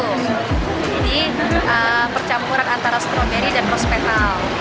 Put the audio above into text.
jadi percampuran antara stroberi dan rose petal